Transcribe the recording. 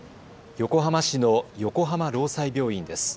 横浜市の横浜労災病院です。